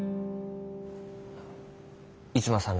逸馬さん